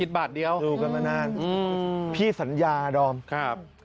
บาทเดียวดูกันมานานพี่สัญญาดอมครับ